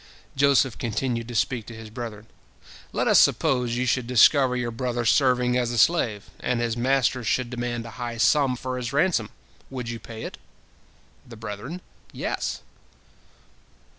Joseph continued to speak to his brethren: "Let us suppose you should discover your brother serving as a slave, and his master should demand a high sum for his ransom, would you pay it?" The brethren: "Yes!"